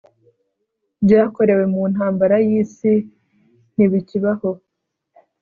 byakorewe muntambara yisi ntibikibaho